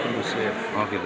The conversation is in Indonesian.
karena banyak yang tidak